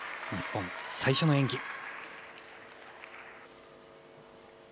日本最初の演技。